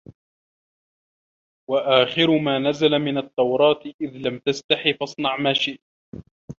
وَآخِرَ مَا نَزَلَ مِنْ التَّوْرَاةِ إذَا لَمْ تَسْتَحِ فَاصْنَعْ مَا شِئْت